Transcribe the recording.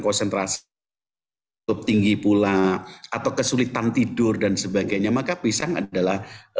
konsentrasi cukup tinggi pula atau kesulitan tidur dan sebagainya maka pisang adalah